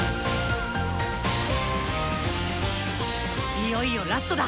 いよいよラストだ。